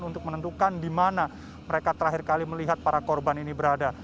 untuk menentukan di mana mereka terakhir kali melihat para korban ini berada